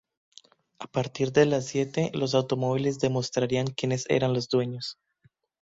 a partir de las siete los automóviles demostrarían quienes eran los dueños